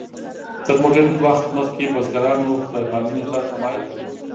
تر مډرن وخت مخکې بزګرانو خدای پالنې ته تمایل درلود.